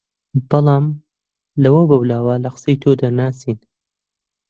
بەڵام لەوە بەولاوە لە قسەی تۆ دەرناچین